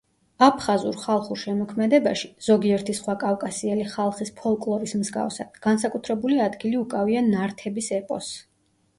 აფხაზურ ხალხურ შემოქმედებაში, ზოგიერთი სხვა კავკასიელი ხალხის ფოლკლორის მსგავსად, განსაკუთრებული ადგილი უკავია ნართების ეპოსს.